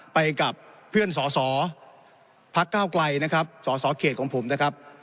ไปกับเพื่อนสอสอพักก้าวไกลนะครับสสเขตของผมนะครับ